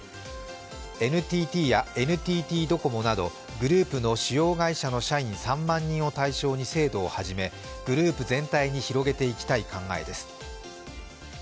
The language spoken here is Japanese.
ＮＴＴやＮＴＴドコモなどグループの主要会社の３万人を対象に制度を始めグループ全体に広げていきたい考えです。